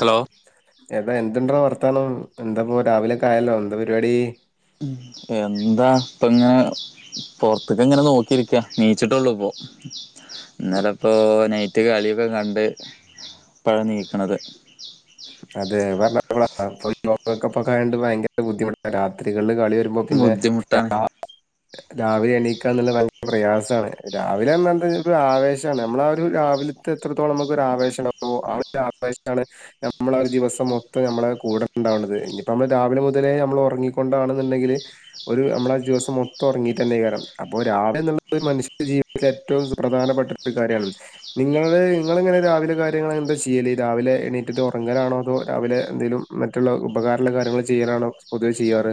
Hello ഏതാ എന്ത്ണ്ട്രാ വർത്ത ത്ത എന്താപ്പ രാവിലെൊക്കെ ആയാലോ എന്താ പരിപാടി ഉം എന്താ ഇപ്പ ഇങ്ങനെ പൊറത്തേക്ക്‌ ഇങ്ങനെ നോക്കിയിരിക്ക എണീച്ചിട്ടുള്ളെ ഇപ്പോ ഇന്നല ഇപ്പോ നൈറ്റ് കളിയൊക്കെ കണ്ട് ഇപ്പോഴാ എണീക്കണത് അതെ പറഞ്ഞ ഇപ്പൊ ലോകകപ്പൊക്കെ ആയതുകൊണ്ട് ഭയങ്കര ബുദ്ധിമുട്ടാണ് രാത്രികള് കളി വരുമ്പോ പിന്നെ [inaudible] ബുദ്ധിമുട്ടാണ് രാവിലെ എണീക്കാന്ന്ള്ള വൻ പ്രയാസാണ്. രാവിലെ എന്നന്തൊരു ആവേശാണ്. മ്മള് ആ ഒരു രാവില്ത്തെ എത്രത്തോളം നമുക്ക് ഒരു ആവേശണ്ടാവോ ആ ആവേശാണ് ന നമ്മളാ ഒരു ദിവസം മൊത്തം നമ്മളെ കൂടെണ്ടാവ്ണത്. ഇഞ്ഞ്പ്പോ അമ്മള് രാവിലെ മുതലേ നമ്മള് ഒർങ്ങിക്കൊണ്ടാണ് ന്ന്ണ്ടെങ്കില് ഒരു നമ്മളാ ഒര് ദിവസം മൊത്തം ഒർങ്ങീട്ടെന്നെയ് ക്കാരം. അപ്പൊ രാവിലെ ന്നുള്ളത് മനുഷ്യന്റെ ജീവിതത്തില് ഏറ്റവും സുപ്രധാനപ്പെട്ട ഒരു കാര്യാണ്. നിങ്ങള് ഇങ്ങള്ങ്ങനെ രാവിലെ കാര്യങ്ങൾ എന്താ ചെയ്യല്? രാവിലെ എണീറ്റിട്ട് ഒർ ങ്ങലാണോ തോ രാവിലെ എന്തെലും മറ്റുള്ള ഉപകാരള്ള കാര്യങ്ങള് ചെയ്യലാണോ പൊതുവേ ചെയ്യാറ്?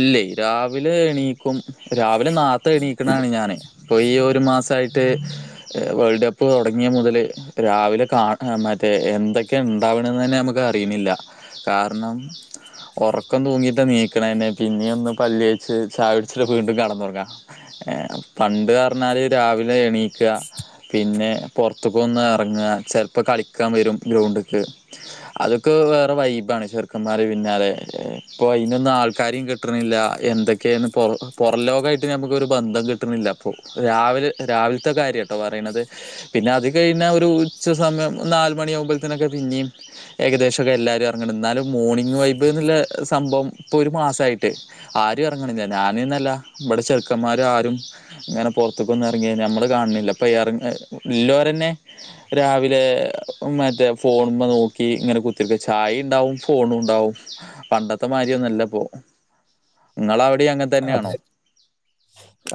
ഇല്ലെ. രാവിലെ എണീ ക്കും. രാവ്ലെ നാത്ത എണീക്ക്ണാണ് ഞാന്. ഇപ്പോ ഈ ഒരു മാസായിട്ട് വേൾഡ് കപ്പ് തൊ തൊട്ങ്ങിയ മുതല് രാവിലെ കാണാ ന്നറ്റെ എന്തൊക്കെയ ഇണ്ടാവണ്ന്ന്ന്നെ നമ്മക്ക് അറീണ്ല്ല. കാര്ണം ഒറക്കം തൂങ്ങിട്ടാണീക്ക്ണെന്നെ. പിന്നെയൊന്ന് പല്ലേച്ച് ചായട്ച്ചാ വീണ്ടും കട്ന്നൊർങ്ങ. പണ്ട് അർഞ്ഞാല് രാവിലെ എണീക്ക പിന്നെ പൊർത്തുക്കൊന്ന് എർങ്ങ. ചെൽപ്പോ കളിക്കാ വരും ഗ്രൗണ്ട്ക്ക്. അതൊക്കെ വേറ വൈബാണ് ചെറുക്കന്മാരെ പിന്നാലെ ഇപ്പോ അയ്നൊന്നും ആൾ ക്കാരിം കിട്ട്ണില്ല എന്തൊക്കേണ് പൊറം പൊറം ലോകായിട്ട് നമുക്കൊരു ബന്ധം കിട്ട്ണില്ല ഇപ്പൊ. രാവിലെ രാവിൽത്തെ കാര്യാട്ടൊ പറീണത്. പിന്നെ അത് കയ്ഞ്ഞാ ഒരു ഉച്ച സമയം നാല് മണിയാവുമ്പോത്ത്ന് ഒക്കെ പിന്നിം. ഏകദേശം ക്കെ എല്ലാരും എർങ്ങ്ണ്ട്. ന്നാലും മോണിംഗ് വൈബ് ന്നുള്ള സംഭവം ഇപ്പൊ ഒരു മാസായിട്ട് ആരും എർങ്ങ്ണില്ല. ഞാന്ന്നല്ല ഇവ്ടെ ചെറ്ക്കന്മാരും ആരും ങ്ങനെ പൊർത്ത്ക്കൊന്നും എർങ്ങി നമ്മള് കാണ്ണില്ല. ഇപ്പൊ എർങ്ങ ല്ലോരെന്നെ രാവിലെ മറ്റേ ഫോണ്മ്മേ നോക്കി ഇങ്ങനെ കുത്തിരിക്ക ചായിണ്ടാവു ഫോണും ഉണ്ടാവും. പണ്ടത്തെ മാതിരി ഒന്നുല്ല. പ്പൊ ഇങ്ങളവ് അതെ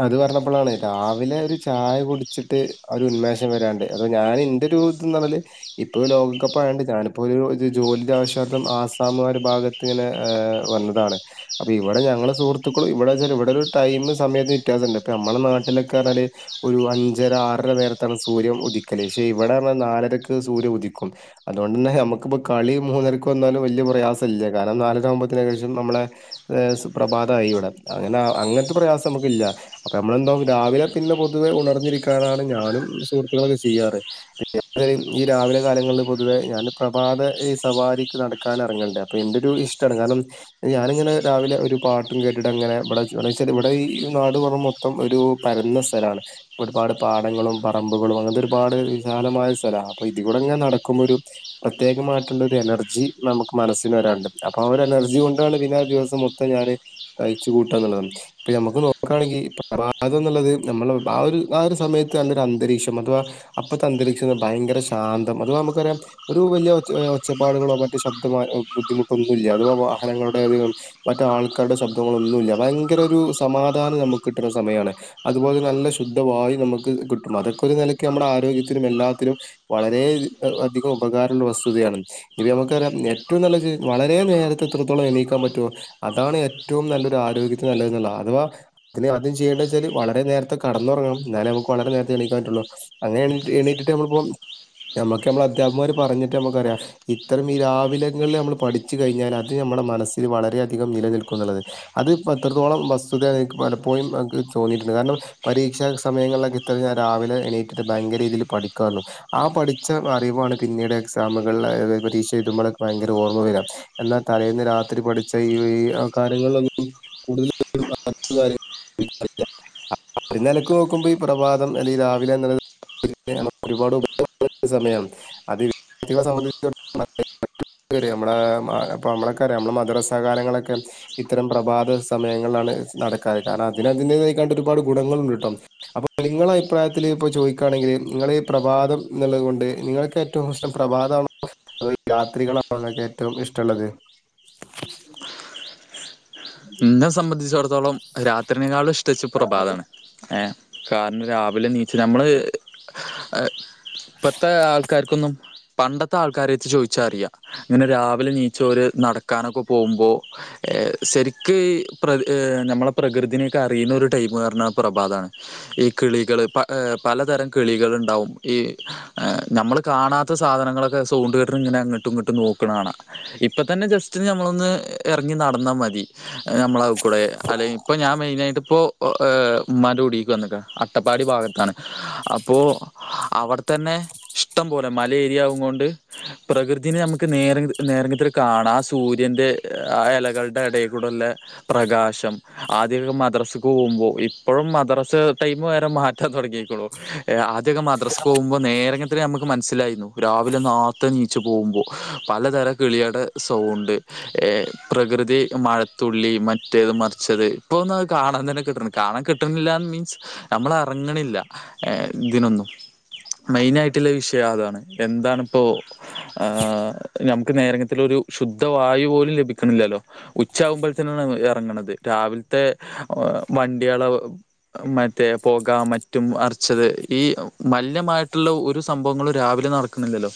അത് പറഞ്ഞപ്പോളാണെ രാവിലെ ഒരു ചായ കുടിച്ചിട്ട് ഒരു ഉന്മേഷം വരാണ്ട് അത് ഞാൻ എന്റെ ഒരു ഇത് ന്ന്‌ പറഞ്ഞാല് ഇപ്പൊ ലോകകപ്പ് ആയത്കൊണ്ട് ഞാനിപ്പോ ഒരു ജോലി ആവശ്യാർത്ഥം ആസ്സാം ഒരു ഭാഗത്ത് ഇങ്ങനെ വന്നതാണ് അപ്പൊ ഇവിടെ ഞങ്ങളു സുഹൃത് ത്തുക്കൾ ഇവിടെ വച്ചാല് ഇവിടെ ഒരു ടൈം സമയത്ത് വ്യത്യാസമുണ്ട് ഇപ്പ നമ്മുടെ നാട്ടിലൊക്കെ പറഞ്ഞാല് ഒരു അഞ്ചര ആറര നേരത്താണ് സൂര്യൻ ഉദിക്കല് പക്ഷെ ഇവിടെ പറഞ്ഞാൽ നാലരക്ക് സൂര്യൻ ഉദിക്കും അതുകൊണ്ട് തന്നെ നമുക്കിപ്പോൊ കളി മൂന്നരക്ക് വന്നാലും വലിയ പ്രയാസം ഇല്ല കാരണം നാലരകുമ്പോത്തേക്ക് ശേഷം നമ്മളെ സുപ്രഭാത് അതാ ഇവിടെ അങ്ങനെ അങ്ങനത്തെ പ്രയാസം നമുക്ക്‌ ഇല്ല അപ്പൊ നമ്മളെന്താ രാവിലെ പിന്നെ പൊതുവെ ഉണർന്നിരിക്കാറാണ് ഞാനും സുഹൃത്തുക്കളൊക്കെ ചെയ്യാറ് ഈ രാവിലെ കാലങ്ങളിൽ പൊതുവെ ഞാൻ പ്രഭാത ഈസവാരിക്ക് നടക്കാൻ ഇറങ്ങണ്ടേ അപ്പൊ എന്റെ ഒരു ഇഷ്ടമാണ് കാരണം ഞാനിങ്ങനെ രാവിലെ ഒരു പാട്ട് ട്ടും കേട്ടിട്ട് അങ്ങനെ ഇവിടെന്നുവച്ചാ ഇവിടെ ഈ നാട് പറയ മൊത്തം ഒരു പരന്ന സ്ഥലാണ് ഒരുപാട് പാടങ്ങളും പറമ്പുകളും അങ്ങനത്തെ ഒരുപാട് വിശാലമായ സ്ഥലമാണ് അപ്പൊ ഇതി കൂടെങ്ങനെ നടക്കുമ്പോ ഒരു പ്രത്യേകമായിട്ടുള്ള ഒരു എനർജി നമുക്ക് മനസ്സിന് വരാണ്ട് അപ്പൊ ആ ഒരു എനർജി കൊണ്ടാണ് പിന്നെ ദിവസം മൊത്തം ഞാന് കഴിച്ചു കൂട്ടുക എന്നുള്ളതാണ് ഇപ്പ നമുക്ക് നോക്കുകയാണെങ്കിൽ പ്രഭാതം എന്നുള്ളത് നമ്മൾ ആ ഒരു ആ ഒരു സമയത്ത് നല്ലൊരു അന്തരീക്ഷം അഥവാ അപ്പത്തെ അന്തരീക്ഷം ഭയങ്കര ശാന്തം അഥവാ നമുക്കറിയാം ഒരു വലിയ ഒച്ച ഒച്ചപ്പാടുകളോ മറ്റു ശബ്ദമാ ബുദ്ധിമുട്ടൊന്നുമില്ല അഥവാ വാഹനങ്ങളുടെ മറ്റ് ആൾക്കാരുടെ ശബ്ദ ങ്ങളൊന്നുമില്ല ഭയങ്കര ഒരു സമാധാനം നമുക്ക് കിട്ടുന്ന സമയമാണ് അതുപോലെ നല്ല ശുദ്ധവായു നമുക്ക് കിട്ടും അതൊക്കെ ഒരു നിലയ്ക്ക് നമ്മുടെ ആരോഗ്യത്തിനും എല്ലാത്തിനും വളരേ അധികം ഉപകാരമുള്ള വസ്തുതയാണ് ഇപ്പ നമുക്ക് അറിയാം ഏറ്റവും നല്ല വളരേ നേരത്തെ എത്രത്തോളം എണീക്കാൻ പറ്റുമോ അതാണ് ഏറ്റ ഏറ്റവും നല്ലൊരു ആരോഗ്യത്തിന് നല്ലതെന്നുള്ളത് അഥവാ അതിന് ആദ്യം ചെയ്യേണ്ടെന്നു വെച്ചാല് വളരെ നേരത്തെ കടന്നുറങ്ങണം എന്നാലേ നമുക്ക് വളരെ നേരത്തെ എണീക്കാൻ പറ്റുള്ളൂ അങ്ങനെ എണീ എണീറ്റിട്ട് നമ്മളിപ്പോ നമുക്ക് നമ്മൾ അധ്യാപകമാര് പറഞ്ഞിട്ട് നമുക്കറിയാം ഇത്തരം ഈ രാവിലെങ്ങളിൽ നമ്മൾ പഠിച്ചു കഴിഞ്ഞാൽ അത് നമ്മുടെ മനസ്സിൽ വളരെയധികം നിലനിൽക്കും എന്നുള്ളത്. അത് ഇപ്പൊ എത്രത്തോളം വസ്തുതയാന്ന് എനിക്ക് പലപ്പോഴും എനിക്ക് തോന്നിയിട്ടുണ്ട് കാരണം പരീക്ഷാ സമയങ്ങളിലൊക്കെ ഇത്ര ഞാൻ രാവിലെ എണീറ്റിട്ട് ഭയങ്കര രീതിയിൽ പഠിക്കുവാരുന്നു ആ പഠിച്ച അറിവാണ് പിന്നീട് എക്സാമുകളിൽ പരീക്ഷ എഴുതുമ്പോഴെ ഭയങ്കര ഓർമ്മ വരുക എന്നാൽ തലേന്ന് രാത്രി പഠിച്ച ഈ വ ഈ കാ നിങ്ങളൊന്നും കൂടുതൽ [unintelligible] നിലയ്ക്ക് നോക്കുമ്പോ ഈ പ്രഭാതം അല്ലെ രാവിലെ എന്ന് പറയുന്നത് [unintelligible] നമ്മളെ മദരസകാലങ്ങളൊക്കെ ഇത്തരം പ്രഭാത സമയങ്ങളിലാണ് നടക്കാറ് കാരണം അതിനതിന്റെതായകൊണ്ട് ഒരുപാട് ഗുണങ്ങളുണ്ട് കേട്ടോ അപ്പൊ നിങ്ളുടെ അഭിപ്രായത്തില് ഇപ്പ ചോദിക്കുകയാണെങ്കിൽ നിങ്ങള് ഈ പ്രഭാതം എന്നുള്ളത് കൊണ്ട് നിങ്ങൾക്ക് ഏറ്റവും ഇഷ്ടം പ്രഭാതമാണൊ അതൊ രാത്രികളാണോ നിങ്ങക്ക് ഏറ്റവും ഇഷ്ടമുള്ളത്? എന്നെ സംബന്ധിച്ചിടത്തോളം അത് രാത്രിനേക്കാളും ഇഷ് പ്രത്യേച്ച് പ്രഭാതാണ് ഏ കാരണം രാവിലെ ണീച്ച് നമ്മള് ആഹ് ഇപ്പത്തെ ആൾക്കാർക്കൊന്നും പണ്ടത്തെ ആൾക്കാരെ എടുത്ത് ചോദിച്ചാ അറിയാം ഇങ്ങനെ രാവിലെ ണീച്ചവര് നടക്കാനൊക്കെ പോകുമ്പോൾ ഏ ശെരിക് ക്ക് ഈ പ്ര നമ്മള പ്രകൃതീനെ ഒക്കെ അറിയുന്ന ഒരു ടൈം എന്ന് പറഞ്ഞ പ്രഭാതമാണ് ഈ കിളികള് പലതരം കിളികൾ ഉണ്ടാവും ഈ നമ്മള് കാണാത്ത സാധനങ്ങളൊക്കെ സൗണ്ട് കേട്ട് ഇങ്ങനെ അങ്ങോട്ടും ഇങ്ങോട്ടും നോക്കണ കാണാം ഇപ്പ തന്നെ ജസ്റ്റ് നമ്മളൊന്ന് ഇറങ്ങി നടന്നാ മതി. നമ്മളെ കൂടെ അല്ലെ ഇപ്പൊ ഞാൻ മെയിൻ ആയിട്ട് ഇപ്പോ മലോടിക്ക് വന്നേക്കാ അട്ടപ്പാടി ഭാഗത്താണ് അപ്പോ അവിടെ തന്നെ ഇഷ്ടം പോലെ മല ഏരിയാകും കൊണ്ട് പ്രകൃതിനേ നമുക്ക് നേരെ നേരങ്ങത്തിൽ കാണാം ആ സൂര്യന്റെ ആ ഇലകളുടെ എടെ കൂടൊള്ള പ്രകാശം ആദ്യൊക്കെ മദ്രസക്ക് പോകുമ്പോ ഇപ്പോഴും മദ്രസ ടൈം വരെ മാറ്റാൻ തുടങ്ങിയേക്കളൂ ഏ ആ ന്നൊക്കെ മദ്രസയ്ക്ക് പോകുമ്പോ നേരെയങ് രെ നമ്മക്ക് മനസ്സിലായിര്ന്നു രാവിലെ നേർത്തേ നിച്ചു പോകുമ്പോ പലതരം കിളിയടെ സൗണ്ട് ഏ പ്രകൃതി മ തുള്ളി മറ്റേത് മറിച്ചത് ഇപ്പൊന്നും അത് കാണാൻ തന്നെ കിട്ടണില്ല കാണാൻ കിട്ട്ണില്ലന്ന് മീൻസ് നമ്മൾ ഇറങ്ങ്ണില്ല ഇതിനൊന്നും മെയിൻ ആയിട്ട്ള്ള വിഷയം അതാണ് എന്താണിപ്പോ ആ ഹ് നമുക്ക് നേരങ്ങത്തിൽ ഒരു ശുദ്ധ വായു പോലും ലഭിക്കണില്ലല്ലോ ഉച് ച്ച ആവുമ്പോഴത്തെന് ആണ് ഇറങ്ങണത് രാവിലത്തെ വണ്ടികള് മറ്റേ പൊക മറ്റും മറിച്ചത് ഈ മലിനമായിട്ട്ള്ള ഒരു സംഭവങ്ങളും രാവിലെ നടക്കുന്നില്ലല്ലോ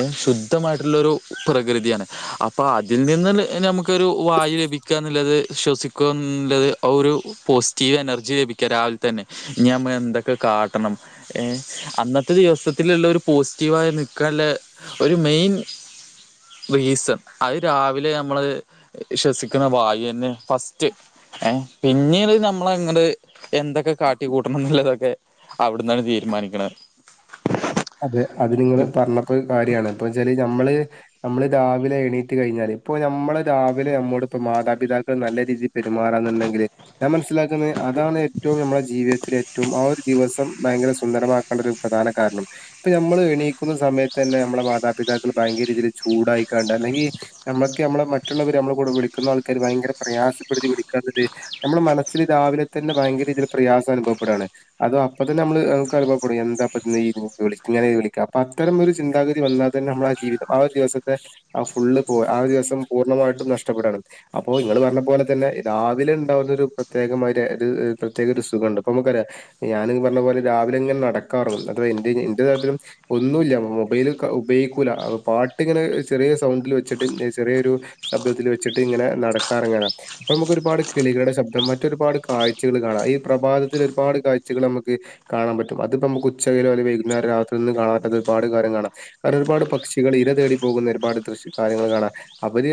ഏഹ് ശുദ്ധമായിട്ടുള്ള ഒരു പ്രകൃതിയാണ് അപ്പൊ അതിൽ നിന്ന് നമുക്കൊരു വായു ലഭിക്കുക എന്നുള്ളത് ശ്വസിക്കുക എന്നുള്ളത് ഒരു പോസിറ്റീവ് എനർജി ലഭിക്ക രാവിലെ തന്നെ ഇനിനമ്മ എന്തൊക്കെ കാട്ടണം ഏഹ് അന്നത്തെ ദിവസത്തിലുള്ള ഒരു പോസിറ്റീവായി നിൽക്കാനുള്ള ഒരു മെയിൻ റീസൺ അത് രാവിലെ നമ്മള് ശ്വസിക്ക്ണ വായുന്നെ ഫസ്റ്റ് ഏഹ് പിന്നീട് നമ്മൾ അങ്ങട് എന്തൊക്കെ കാട്ടി കൂട്ടണം ന്നുള്ളതൊക്കെ അവിടുന്നാണ് തീരുമാനിക്ക്ണെ അതെ അത് നിങ്ങള് പറഞ്ഞപ്പോ കാര്യണ് ഇപ്പച്ചാല് നമ്മള് നമ്മള് രാവിലെ എണീറ്റ് കഴിഞ്ഞാല് ഇപ്പ നമ്മളെ രാവിലെ നമ്മുടെ ഇപ്പോ മാതാപിതാക്കൾ നല്ല രീതിയി പെരുമാറന്നുണ്ടെങ്കില് ഞാൻ മനസ്സിലാക്കുന്നത് അതാണ് ഏറ്റവും നമ്മളുടെ ജീവിതത്തിൽ ഏറ്റവും ആഹ് ഒരു ദിവസം ഭയങ്കര സുന്ദരമാക്കാണ്ടെ ഒരു പ്രധാന കാരണം ഇപ്പ നമ്മള് എണീക്കുന്ന സമയത്ത് തന്നെ നമ്മളെ മാതാപിതാക്കൾ ഭയങ്കര രീതിയിൽ ചൂടായിക്കാണ്ട് അല്ലെങ്കി നമ്മക്ക് നമ്മൾ മറ്റുള്ളവര് നമ്മളെ കൂടെ വിളിക്കുന്ന ആൾക്കാര് ഭയങ്കര പ്രയാസപ്പെടുത്തി വിളിക്കാത്തത് നമ്മുടെ മനസ്സില് രാവിലെ തന്നെ ഭയങ്കര രീതിയിൽ പ്രയാസം അനുഭവപ്പെടണ് അതോ അപ്പ തന്നെ നമ്മൾ നമക്ക് അനുഭവപ്പെടും എന്താപ്പ ഈ ഇങ്ങനെ വിളിക്ക അപ്പ അത്തരം ഒരു ചിന്താഗതി വന്നാൽ തന്നെ നമ്മളെ ആഹ് ജീവിതം ആ ഒരു ദിവസത്തെ ആ ഫുള്ള് പോ ആ ഒരു ദിവസം പൂർണ്ണമായിട്ടും നഷ്ടപ്പെടാണ് അപ്പൊ ഇങ്ങള് പറഞ്ഞ പോലെ തന്നെ രാവിലെ ഉണ്ടാവുന്നൊരു പ്രത്യേകമായ പ്രത്യേക ഒരു സുഖവുണ്ട് അപ്പൊ നമുക്കറിയാം ഞാൻ പറഞ്ഞ പോലെ രാവിലെ ഇങ്ങനെ നടക്കാറും അത് ഇന്റെ ന്റെതായിട്ട് ഒന്നുവില്ല മൊബൈൽ ഉപയോഗിക്കൂല്ല പാട്ട് ഇങ്ങനെ ചെറിയ സൗണ്ടിൽ വെച്ചിട്ട് ചെറിയൊരു ശബ്ദത്തിൽ വെച്ചിട്ട് ഇങ്ങനെ നടക്കാറങ്ങനാണ് അപ്പ നമുക്ക് ഒരുപാട് കിളികളുടെ ശബ്ദം മറ്റൊരുപാട് കാഴ്ചകൾ കാണാം ഈ പ്രഭാതത്തിൽ ഒരുപാട് കാഴ്ചകൾ നമുക്ക് കാണാ പറ്റും അതിപ്പോ നമുക്ക് ഉച്ചകയിലോ അല്ലെ രാത്രി നിന്ന് കാണാത്തത് ഒരുപാട് കാര്യം കാണാം കാരണം ഒരുപാട് പക്ഷികൾ ഇര തേടി പോകുന്ന ഒരുപാട് ദൃശ് കാര്യങ്ങൾ കാണാം അവര്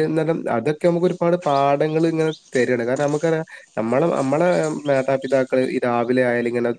അതൊക്കെ നമുക്ക് ഒരുപാട് പാടങ്ങൾ ഇങ്ങനെ തരാണ് കാരണം നമുക്ക്‌ നമ്മളെ നമ്മളെ മാതാപിതാക്കൾ ഈ രാവിലെ ആയൽ ഇങ്ങനെ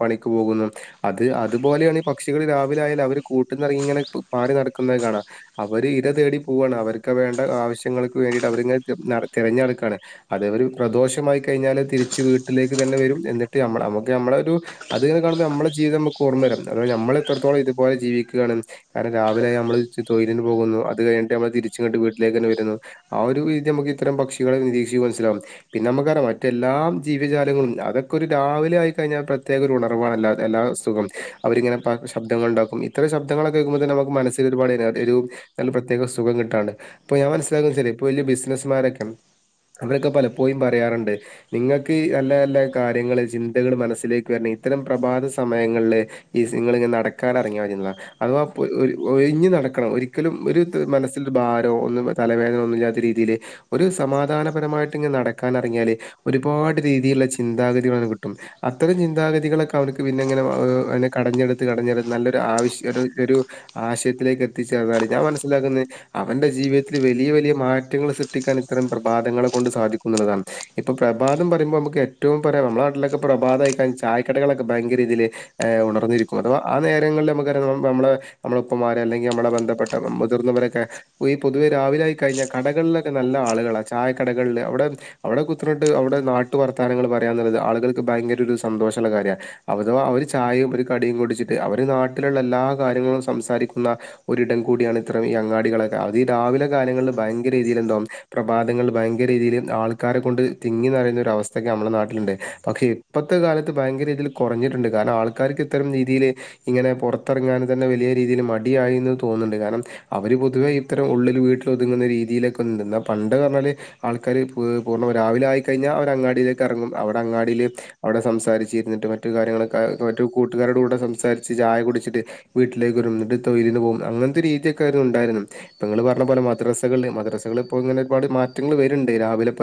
പണിക്ക് പോകുന്നു അത് അതുപോലെയാണ് പക്ഷികൾ രാവിലൊയാലും അവർ കൂട്ടി നിറങ്ങി ഇങ്ങനെ പാറി നടക്കുന്നത് കാണാം അവര് ഇര തേടി പോവണ് അവർക്ക് വേണ്ട ആവശ്യങ്ങൾക്ക് വേണ്ടിയിട്ട് അവരിങ്ങനെ നടക്കാണ് തിരഞ്ഞെടുക്കണ് അത് അവര് പ്രദോഷമായി കഴിഞ്ഞാല് തിരിച്ച് വീട്ടിലേക്ക് തന്നെ വരും എന്നിട്ട് നമ്മടെ നമുക്ക് നമ്മള ഒരു അത്ങ്ങനെ കാണുമ്പോൾ നമ്മളെ ജീവിതം നമുക്ക് ഓർമ്മ വരാം അഥവാ നമ്മൾ എത്രത്തോളം ഇതുപോലെ ജീവിക്കുകയാണ് കാരണം രാവിലെയായി നമ്മള് തൊഴിലിന് പോകുന്നു അത് കഴിഞ്ഞിട്ട് നമ്മള് തിരിച്ചിങ്ങട്ട് വീട്ടേക്ക് തന്നെ വരുന്നു ആ ഒരു രീതി നമുക്ക് ഇത്തരം പക്ഷികളെ നിരീക്ഷികുമ്പോ മനസ്സിലാവും പിന്നെ നമുക്കറിയാം മറ്റെല്ലാ ജീവജാലങ്ങളും അതൊക്കെ ഒരു രാവിലെ ആയി കഴിഞ്ഞാൽ പ്രത്യേക ഒരു ഉണർവാണ് എല്ലാ എല്ലാ സുഖം അവരിങ്ങനെ പ ശബ്ദങ്ങൾ ഉണ്ടാക്കും ഇത്തരം ശബ്ദങ്ങളൊക്കെക്കുമ്പോ തന്നെ നമുക്ക് മനസ്സിൽ ഒരുപാട് ഒരു നല്ല പ്രത്യേക സുഖം കിട്ടാണ് അപ്പൊ ഞാൻ മനസ്സിലാക്കുന്നേച്ചാല് ഇപ്പ വലിയ ബിസിനസ്മാരൊക്കെ അവരൊക്കെ പലപ്പോഴും പറയാറുണ്ട് നിങ്ങൾക്ക് നല്ല നല്ല കാര്യങ്ങൾ ചിന്തകൾ മനസ്സിലേക്ക് വരണം ഇത്തരം പ്രഭാത സമയങ്ങളില് ഈസിങ്ങൾ നടക്കാനിറങ്ങിയരു അഥവാ ഒഴിഞ്ഞ് നടക്കണം ഒരിക്കലും ഒരു മനസ്സിലോരു ഭാരവോ ഒന്നും തലവേദന ഒന്നുമില്ലാത്ത രീതിയിൽ ഒരു സമാധാനപരമായിട്ട് ഇങ്‌ നടക്കാനിങ്ങിയാല് ഒരുപാട് രീതിയിലുള്ള ചിന്താഗതികൾ കിട്ടും അത്തരം ചിന്താഗതികളൊക്കെ അവനക്ക് പിന്നെ ഇങ്ങനെ കടഞ്ഞെടുത്ത് കടഞ്ഞെടുത്ത് നല്ലൊരു ആവശ്യ ഒരു ഒരു ആശയത്തിലേക്ക് എത്തിച്ചേർന്നാൽ ഞാൻ മനസ്സിലാക്കുന്നത് അവന്റെ ജീവിതത്തിൽ വലിയ വലിയ മാറ്റങ്ങൾ സൃഷ്ടിക്കാൻ ഇത്തരം പ്രഭാതങ്ങളെ കൊണ്ട് സാധിക്കും എന്നുള്ളതാണ് ഇപ്പൊ പ്രഭാതം പറയുമ്പോൾ നമുക്ക് ഏറ്റവും പറയാം നമ്മുടെ നാട്ടിലൊക്കെ പ്രഭാതം അയി കഴിഞ്ഞാൽ ചായക്കടകളൊക്കെ ഭയങ്കരീതിയിൽ ഉണർ ന്നിരിക്കും അഥവാ ആ നേരങ്ങളിൽ നമുക്ക്‌ അറിയാം നമ്മളെ നമ്മള ഉപ്പമാർ അല്ലെങ്കിൽ നമ്മളെ ബന്ധപ്പെട്ട മുതിർന്നവരൊക്കെ ഈ പൊതുവെ രാവിലെ ആയി കഴിഞ്ഞാൽ കടകളിലൊക്കെ നല്ല ആളുകളാണ് ചായ കടകളില് അവിടെ അവിടെ കുത്തിർന്നിട്ട് അവിടെ നാട്ടു വർത്താനങ്ങൾ പറയ എന്നുള്ളത് ആളുകൾക്ക് ഭയങ്കര ഒരു സന്തോഷമുള്ള കാര്യമാണ് അഥവാ അവര് ചായ കടിയും കുടിച്ചിട്ട് അവർ നാട്ടിലുള്ള എല്ലാ കാര്യങ്ങളും സംസാരിക്കുന്ന ഒരിടം കൂടിയാണ് ഇത്രം ഈ അങ്ങാടികളോക്കെ അത് ഈ രാവിലെ കാലങ്ങളിൽ ഭയങ്കരീതിയിൽ എന്തോ പ്രഭാതങ്ങൾ ഭയങ്കരീതിൽ ആൾക്കാരെ കൊണ്ട് തിങ്ങി നിറയുന്ന ഒരു അവസ്ഥൊക്കെ നമ്മളുടെ നാട്ടിലുണ്ട് പക്ഷെ ഇപ്പോത്തെ കാലത്ത് ഭയങ്കര രീതിയിൽ കുറഞ്ഞിട്ടുണ്ട് കാരണം ആൾക്കാർക്ക് ഇത്തരം രീതിയിൽ ഇങ്ങനെ പുറത്തിറങ്ങൻ തന്നെ വലിയ രീതിയിൽ മടിയായിന്ന് തോന്നുന്നുണ്ട് കാരണം അവര് പൊതുവേ ഇത്തരം ഉള്ളിൽ വീട്ടിൽ ഒതുങ്ങുന്ന രീതിയിലൊക്കൊണ്ട് എന്നാ പണ്ട് പറഞ്ഞാല് ആൾക്കാർ പൂർണ്ണ രാവിലെ ആയിക്കഴിഞ്ഞാൽ അവർ അങ്ങാടിയിലേക്ക് ഇറങ്ങും അവിടെ അങ്ങാടിയിൽ അവിടെ സംസാരിച്ചിരുന്നിട്ട് മറ്റു കാര്യങ്ങളൊക്കെ മറ്റ് കൂട്ടുകാരുടെ കൂടെ സംസാരിച്ച് ചായ കുടിച്ചിട്ട് വീട്ടിലേക്ക് ഒരുടുത്ത ഇരുന്ന് പോകും അങ്ങനത്തെ രീതിയൊക്കൊയിരുന്നു ഉണ്ടായിരുന്നു ഇപ്പൊ നിങ്ങൾ പറഞ്ഞ പോലെ മദ്രസകളിൽ മദ്രസകള ഇപ്പോ ഇങ്ങനെ ഒരുപാട് മാറ്റങ്ങൾ വരുണ്ട് രാവിലെ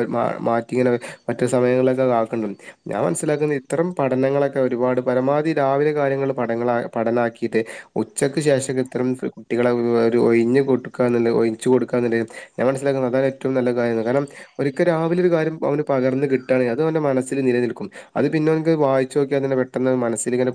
മാറ്റി ഇങ്ങനെ മറ്റു സമയങ്ങളിലൊക്കെ അത് ആക്കണ്ട് ഞാൻ മനസ്സിലാക്കുന്ന ഇത്തരം പഠനങ്ങളൊക്കെ ഒരുപാട് പരമാധി രാവിലെ കാര്യങ്ങൾ പടങൾ പഠനാക്കിയിട്ട് ഉച്ചക്ക് ശേഷം ഇത്രം കുട്ടികളെ ഒരു ഒഴിഞ്ഞ് കൊടുക്കാ ഒഴിച്ചു കൊടുക്കാന്ന ഞാൻ മനസ്സിലാക്കുന്നത് അതാണ് ഏറ്റവും നല്ല കാര്യമാണ് കാരണം ഒരിക്കൽ രാവിലെ ഒരു കാര്യം അവന് പകർന്ന് കിട്ടുകണെങ്കിൽ അത് അവന്റെ മനസ്സിൽ നിലനിൽക്കും അത് പിന്നെ ഓന്ക്ക് വായിച്ചു നോക്കി അതിനെ പെട്ടെന്ന് മനസ് ങ്ങന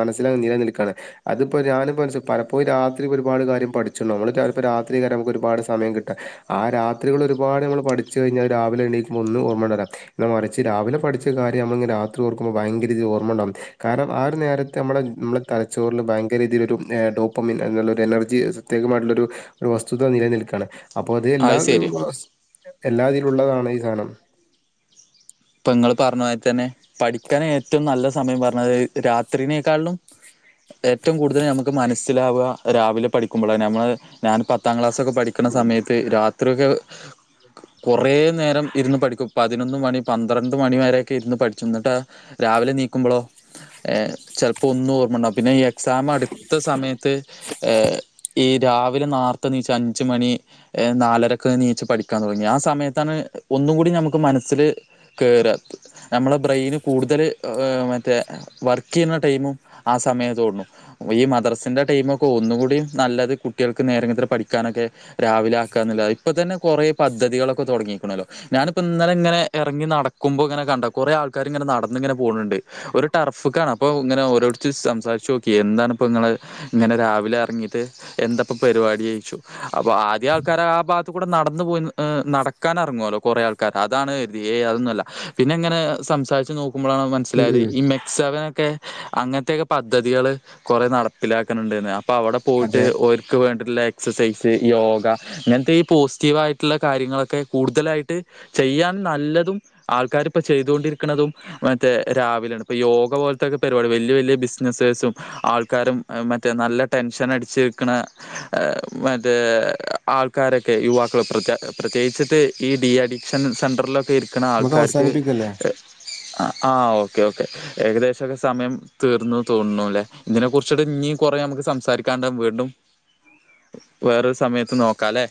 മനസ്സില നിലനിൽക്കാണ് അതിപ്പോ ഞാനിപ്പോ പലപ്പോയും രാത്രി ഒരുപാട് കാര്യം പഠിച്ചു നമ്മള്പ്പോ രാത്രി കാലം നമുക്ക് ഒരുപാട് സമയം കിട്ടാം ആ രാത്രികൾ ഒരുപാട് നമ്മൾ പഠിച്ച് കഴിഞ്ഞാൽ രാവിലെ എണീകുമ്പോ ഒന്നും ഓർയണ്ടല്ല എന്നാ മറിച്ച് രാവിലെ പഠിച്ച കാര്യം നമ്മ രാത്രി ഓർക്കുമ്പോ ഭയങ്കരിതി ഓർയുണ്ടാവും കാരണം ആ ഒരു നേരത്തെ നമ്മളെ നമ്മുടെ തലച്ചോറിൽ ഭയങ്കരീതിലൊരു ഡോപ്പമിൻ ഒരു എനർജി പ്രത്യേകമായിട്ടുള്ള ഒരു ഒരു വസ്തുത നിലനിൽക്കയാണ് അപ്പൊ അത് എല്ലാ എല്ലാതിലുള്ളതാണ് ഈ സാനം ഇപ്പൊ ഇങ്ങള് പറഞ്ഞതിരി തന്നെ പഠിക്കാൻ ഏറ്റവും നല്ല സമയം പറഞ്ഞത് രാത്രിനേക്കാളിലും ഏറ്റവും കൂടുതൽ നമുക്ക് മനസ്സിലാവുക രാവിലെ പഠിക്കുമ്പോളന്ന നമ്മൾ ഞാൻ പത്താം ക്ലാസ്സൊക്കെ പഠിക്കണ സമയത്ത് രാ ത്രിയൊക്കെ കുറേ നേരം ഇരുന്ന് പഠിക്കും പതിനൊന്ന് മണി പന്ത്രണ്ട് മണി വരൊക്കെ ഇരുന്നു പഠിച്ചു എന്നിട്ട് രാവിലെണിക്കുമ്പോളോ ഏഹ് ചിലപ്പോ ഒന്നും ഓർമ്മണ്ട പിന്ന എ എക്സാം അടുത്ത സമയത്ത് ഏഹ് ഇ രാവിലെ നാർത്തെനീച്ച് അഞ്ച് മണി നാലരക്കെനീച്ച് പഠിക്കാൻ തുടങ്ങി ആ സമയത്താണ് ഒന്നു കൂടി നമുക്ക് മനസ്സിൽ കേറാ നമ്മള ബ്രെയിന് കൂടുതൽ മറ്റേ വർക്ക് ചെയ്യുന്ന ടൈമും ആ സമയത്ത് തോന്നു ഈ മദ്രസെന്റെ ടൈം ഒക്കെ ഒന്നുകൂടി നല്ലത് കുട്ടികൾക്ക് നേരങ്ങക്ക്‌ പഠിക്കാനൊക്കെ രാവിലെ ആക്കാന്നോള്ളതാ ഇപ്പൊ തന്നെ കുറെേ പദ്ധതികളൊക്കെ തുടങ്ങിക്കണല്ലോ ഞാനിപ്പോ ഇന്നലെ ഇങ്ങനെ ഇറങ്ങി നടക്കുമ്പോൾ ഇങ്ങനെ കണ്ട കുറെ ആൾക്കാർ ഇങ്ങനെ നടന്ന ഇങ്ങനെ പോണുണ്ട് ഒരു ടർഫക്കാണ് അപ്പൊ ഇങ്ങനെ ഓരോരുത്തച്ച് സംസാരിച്ചു നോക്കി എന്താണ് ഇപ്പോ ഇങ്ങൾ ഇങ്ങനെ രാവിലെ ഇറങ്ങിട്ട് എന്തപ്പ പരിപാടി ചോയച്ചു അപ്പൊ ആദ്യ ആൾക്കാർ ആ ഭാഗത്ത് കൂടെ നടന്ന് പോയി നടക്കാൻ ഇറങ്ങുവല്ലോ കുറെ ആൾക്കാർ അതാണ് ഏയ്‌ അതൊന്നു അല്ല പിന്നെ എങ്ങനെ സംസാരിച്ച് നോ കുമ്പോ ഉം മനസ്സിലായത് ഉം. ഈ മെക്സവൻ ഒക്കെ അങ്ങനത്തെക്കെ പദ്ധതികള് കുറെ നടപ്പിലാക്കണണ്ടന്ന് അപ്പൊ അവിടെ പോയിട്ട് അതെ. ഓര്ക്ക്‌ വേണ്ടിള്ള എക്സസൈസ് യോഗ ഇങ്ങനത്തെ ഈ പോസിറ്റീവ് ആയിട്ടുള്ള കാര്യങ്ങളൊക്കെ കൂടുതലായിട്ട് ചെയ്യാൻ നല്ലതും ആൾക്കാർ ഇപ്പോ ചെയ്തൊണ്ടിരിക്കണതും മറ്റേ രാവിലാണ് ഇപ്പൊ യോഗ പോലത്തൊക്കെ പരിപാടി വല്യ വല്യ ബിസിനസേഴ്സും ആൾക്കാരും മറ്റേ നല്ല ടെൻഷൻ അടിച്ചിക്കണ മറ്റേ ആൾക്കാരൊക്കെ യുവാക്കൾ പ്രേത് പ്രത്യേകിച്ചിട്ട് ഈ ഡി അഡിക്ഷൻ ളിലൊക്കെ ഇരിക്കുന്ന നമുക്ക് ആൾക്കാർക്ക് അവസാനിപ്പിക്കല്ലേ? ആഹ് ഓക്കെ ഓക്കേ ഏകദേശോക്കെ സമയം തീർന്നു തോന്നുന്നുല്ലേ ഇതിനെ കുറിച്ചിട്ട് ഇനി കൊറെ നമുക്ക് സംസാരിക്കാണ്ട് വീണ്ടും വേറൊരു സമയത്ത് നോക്കാല്ലെ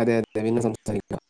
അതെ അതെ പിന്നെ സംസാരിക്കാം